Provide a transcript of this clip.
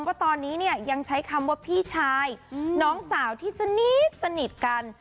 ว่าตอนนี้เนี่ยยังใช้คำว่าพี่ชายน้องสาวที่สนิทสนิทกัน